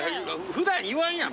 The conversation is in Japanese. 普段言わんやん！